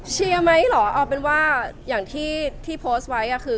เชียร์ไหมหรอเอาเป็นว่าอย่างที่ที่โพสต์ไว้คือ